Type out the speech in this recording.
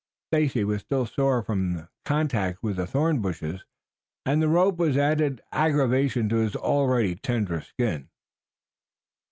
Stacy was still sore from contact with the thorn bushes, and the rope was an added aggravation to his already tender skin.